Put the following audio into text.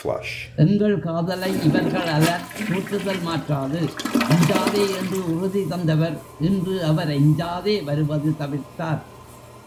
எங்கள் காதலை இவர்கள் அலர் தூற்றுதல் மாற்றாது. அஞ்சாதே என்று உறுதிதந்தவர் இன்று அவர் எஞ்சாதே வருவது தவிர்த்தார்.